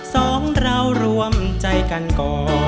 สองเรารวมใจกันก่อน